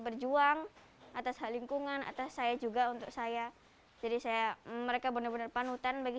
berjuang atas hal lingkungan atas saya juga untuk saya jadi saya mereka benar benar panutan bagi